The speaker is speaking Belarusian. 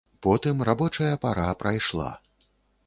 Потым рабочая пара прайшла.